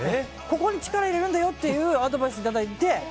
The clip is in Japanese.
ここに力入れるんだよっていうアドバイスをいただいて。